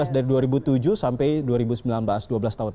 dari dua ribu tujuh sampai dua ribu sembilan belas dua belas tahun